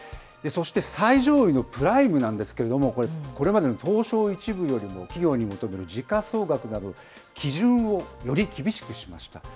そして最上位のプライムなんですけれども、これまでの東証１部よりも企業に求める時価総額など、基準をより厳しくしました。